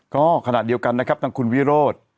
ก็ขณะเดียวกันนะครับทางคุณวิโรธ